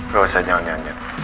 gak usah nyanyi nyanyi